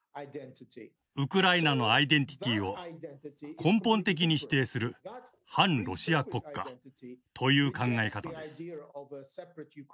ウクライナのアイデンティティーを根本的に否定する「汎ロシア国家」という考え方です。